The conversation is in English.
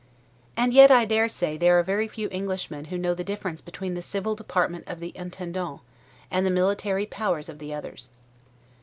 And yet, I dare say, there are very few Englishmen who know the difference between the civil department of the Intendant, and the military powers of the others.